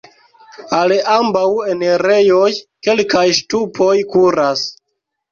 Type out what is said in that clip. Al ambaŭ enirejoj kelkaj ŝtupoj kuras.